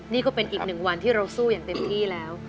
นี่ก็เป็นอีกหนึ่งวันที่เราสู้อย่างเต็มที่แล้ว